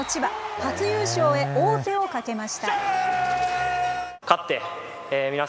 初優勝へ王手をかけました。